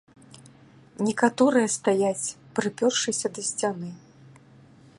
Некаторыя стаяць, прыпёршыся да сцяны.